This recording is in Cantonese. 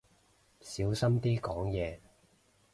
小心啲講嘢